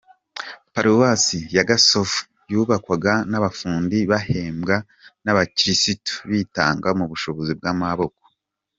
Paruwasi ya Gasovu yubakwaga n’abafundi bahembwa n’abakirisitu bitangaga mu bushobozi bw’amaboko.